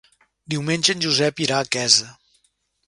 Diumenge en Josep irà a Quesa.